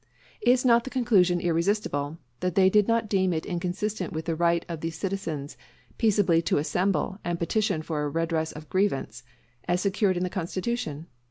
Is not the conclusion irresistible, that they did not deem it inconsistent with the right of "the citizens peaceably to assemble and petition for a redress of grievance," as secured in the Constitution?